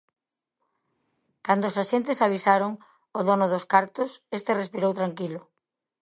Cando os axentes avisaron o dono dos cartos, este respirou tranquilo.